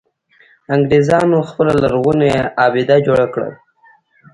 انګرېزانو خپله لرغونې آبده جوړه کړه.